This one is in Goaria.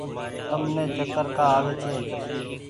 تم ني چڪر ڪآ آوي ڇي۔